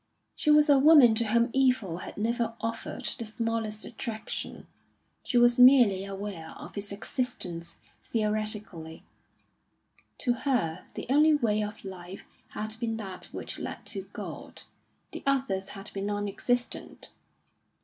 She was a woman to whom evil had never offered the smallest attraction; she was merely aware of its existence theoretically. To her the only way of life had been that which led to God; the others had been non existent.